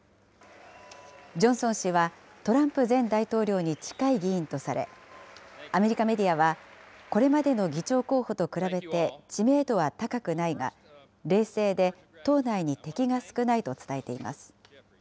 ジョンソン氏は、トランプ前大統領に近い議員とされ、アメリカメディアは、これまでの議長候補と比べて知名度は高くないが、冷静で党内に敵が少ないと伝えています。